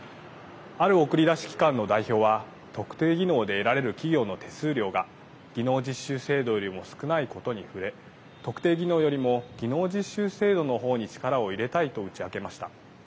ある送り出し機関の代表は特定技能で得られる企業の手数料が技能実習制度よりも少ないことに触れ特定技能よりも技能実習制度のほうに力を入れたいと打ち明けました。